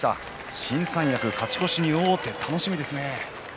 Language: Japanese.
新三役勝ち越しに王手、楽しみですね。